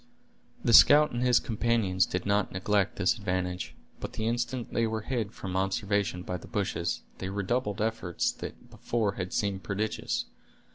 The scout and his companions did not neglect this advantage, but the instant they were hid from observation by the bushes, they redoubled efforts that before had seemed prodigious.